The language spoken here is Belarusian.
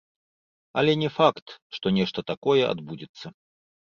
Але не факт, што нешта такое адбудзецца.